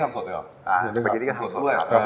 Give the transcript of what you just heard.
ก็ทำสดด้วยครับ